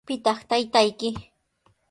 ¿Pitaq taytayki?